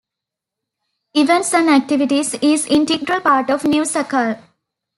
Events and activities is integral part of new Sakal.